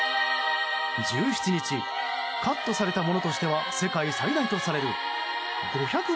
１７日カットされたものとしては世界最大とされる